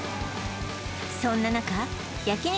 そんな中焼肉